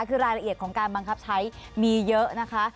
คือรายละเอียดของการบังคับใช้มีเยอะนะคะ